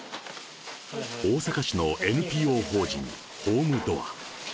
大阪市のＮＰＯ法人ホームドア。